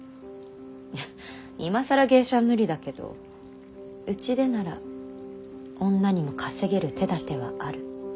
いや今更芸者は無理だけどうちでなら女にも稼げる手だてはある。